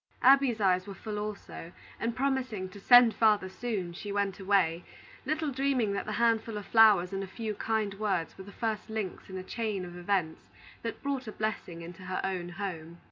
Abby's eyes were full also, and promising to "send father soon," she went away, little dreaming that the handful of flowers and a few kind words were the first links in a chain of events that brought a blessing into her own home.